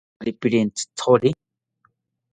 Paretakari pirentzithori